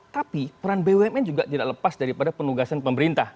tapi peran bumn juga tidak lepas daripada penugasan pemerintah